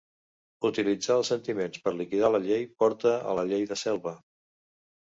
Utilitzar els sentiments per liquidar la llei porta a la llei de selva